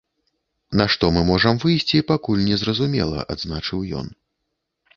На што мы можам выйсці, пакуль незразумела, адзначыў ён.